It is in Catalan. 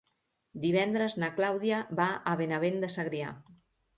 Divendres na Clàudia va a Benavent de Segrià.